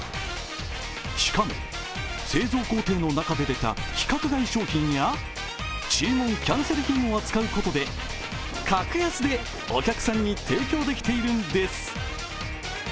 しかも、製造工程の中で出た規格外商品や注文キャンセル品を扱うことで格安でお客さんに提供できているんです。